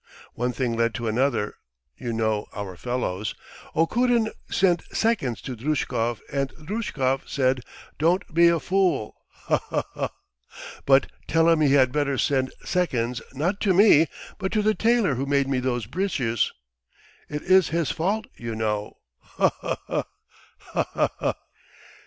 One thing led to another ... you know our fellows! ... Okurin sent seconds to Druzhkov, and Druzhkov said 'don't be a fool' ... ha ha ha, 'but tell him he had better send seconds not to me but to the tailor who made me those breeches; it is his fault, you know.' Ha ha ha! Ha ha ha.